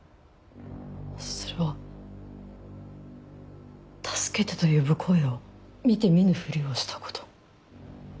それは「助けて」と呼ぶ声を見て見ぬふりをしたこと。